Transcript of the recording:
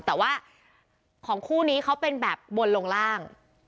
แต่ว่าของคู่นี้เขาเป็นแบบบนลงล่าง